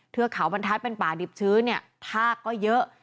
เทือกเขาบรรทัศน์เป็นป่าดิบชื้นเนี่ยทากก็เยอะ